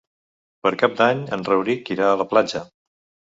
Per Cap d'Any en Rauric irà a la platja.